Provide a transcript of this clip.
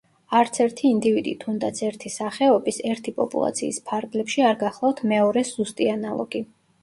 არცერთი ინდივიდი, თუნდაც ერთი სახეობის, ერთი პოპულაციის ფარგლებში, არ გახლავთ მეორეს ზუსტი ანალოგი.